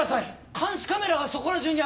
監視カメラがそこら中にある。